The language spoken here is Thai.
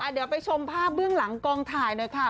เดี๋ยวไปชมภาพเบื้องหลังกองถ่ายหน่อยค่ะ